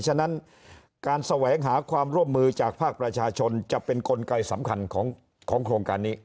ฉะนั้นการแสวงหาความร่วมมือจากภาคประชาชนจะเป็นกลไกสำคัญของโครงการนี้